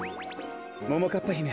ももかっぱひめ